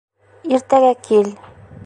Иртәгә кил.